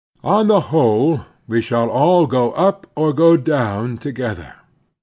On the whole, we shall all go up or go down together.